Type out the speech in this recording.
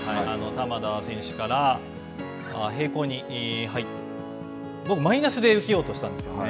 玉田選手から平行に入って、僕は平行で受けようとしたんですよね。